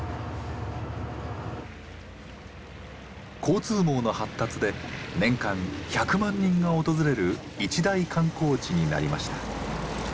交通網の発達で年間１００万人が訪れる一大観光地になりました。